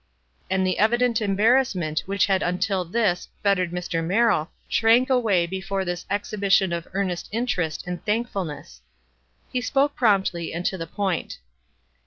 And the evident embarrassment which had until this fettered Mr. Merrill, shrank away be fore this exhibition of earnest interest and thank fulness. He spoke promptly and to the point.